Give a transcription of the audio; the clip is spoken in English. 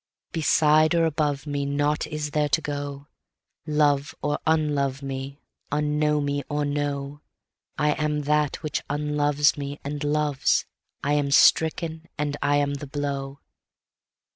Beside or above meNought is there to go; Love or unlove me, Unknow me or know,I am that which unloves me and loves; I am stricken, and I am the blow.